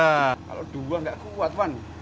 kalau dua tidak kuat